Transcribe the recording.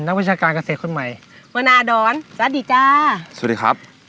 วิชาการเกษตรคนใหม่วนาดอนสวัสดีจ้าสวัสดีครับ